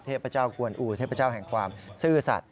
เทพเจ้ากวนอูเทพเจ้าแห่งความซื่อสัตว